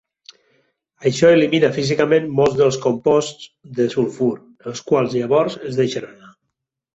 Això elimina físicament molts dels composts de sulfur, els quals llavors es deixen anar.